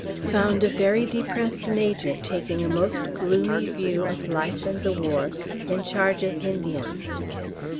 Found a very depressed major taking a most gloomy view of life and the war, in charge of Indians.